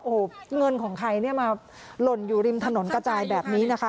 โอ้โหเงินของใครเนี่ยมาหล่นอยู่ริมถนนกระจายแบบนี้นะคะ